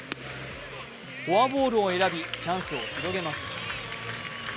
フォアボールを選びチャンスを広げます。